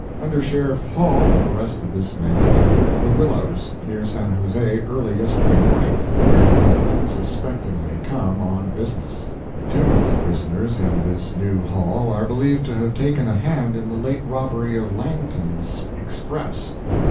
Under Sheriff Hall arrested this man at the "Willows," near San Jose, early yesterday morning, where he had unsuspectingly come on business. Two of the prisoners in this new haul are believed to have taken a hand in the late robbery of Langton's Express.